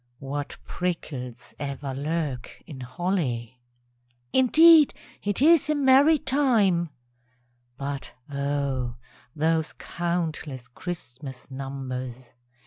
(What prickles ever lurk in holly!) Indeed it is a merry time; (_But O! those countless Christmas numbers!